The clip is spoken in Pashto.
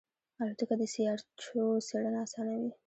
الوتکه د سیارچو څېړنه آسانوي.